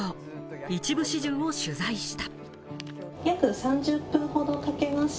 一部始終を取材した。